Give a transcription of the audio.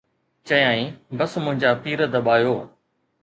چيائين، ”بس منهنجا پير دٻايو.